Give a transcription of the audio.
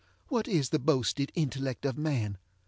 what is the boasted intellect of man?